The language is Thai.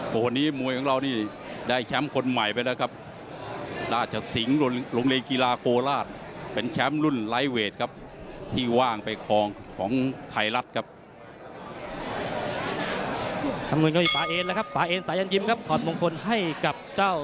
วันนี้มวยของเรานี่ได้แชมป์คนใหม่ไปแล้วครับราชสิงห์โรงเรียนกีฬาโคราชเป็นแชมป์รุ่นไลทเวทครับที่ว่างไปคลองของไทยรัฐครับ